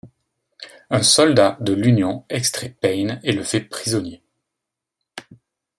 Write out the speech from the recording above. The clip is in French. Un soldat de l'Union extrait Payne et le fait prisonnier.